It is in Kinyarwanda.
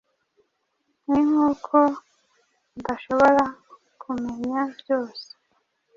Ni nkuko udashobora kumenya byose